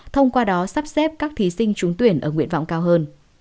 thông qua đó sắp xếp các thí sinh trúng tuyển ở nguyện vọng cao hơn